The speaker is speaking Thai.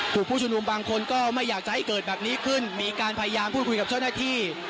ผู้ชุมนุมบางคนก็ไม่อยากจะให้เกิดแบบนี้ขึ้นมีการพยายามพูดคุยกับเจ้าหน้าที่